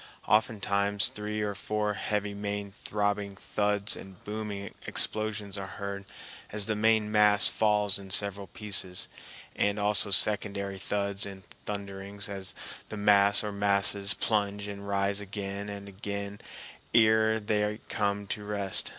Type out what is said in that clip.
Oftentimes three or four heavy main throbbing thuds and booming explosions are heard as the main mass falls in several pieces, and also secondary thuds and thunderings as the mass or masses plunge and rise again and again ere they come to rest.